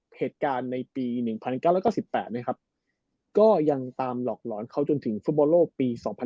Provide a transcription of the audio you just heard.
เหตุการณ์ในปี๑๙๙๘เนี้ยครับก็ยังตามหล่อหลอนเขาจนถึงฟุตบอลโลปี๒๐๐๒